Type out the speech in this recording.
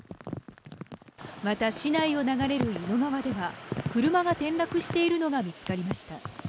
また市内を流れる伊野川では、車が転落しているのが見つかりました。